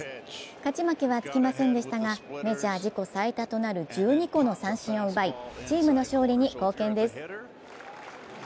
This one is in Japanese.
勝ち負けはつきませんでしたが、メジャー自己最多となる１２個の三振を奪い、チームの勝利に貢献です。